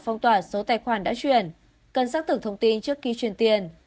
phong tỏa số tài khoản đã chuyển cần xác thực thông tin trước khi truyền tiền